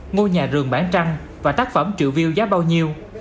ngôi nhà rừng bản trăng và tác phẩm trựu view giá bao nhiêu